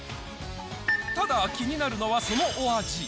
ただ、気になるのはそのお味。